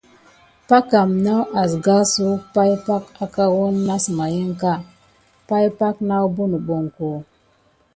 Packam naw asgassuwək pay pak aka wəne nasmaïska, pay pak nawbo nəɓoŋko.